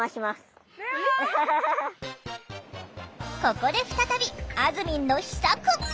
ここで再びあずみんの秘策！